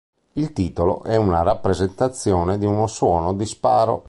Il titolo è una rappresentazione di un suono di sparo.